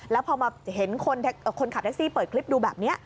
แล้วพอมาเห็นคนขับแท็กซี่เปิดคลิปดูแบบนี้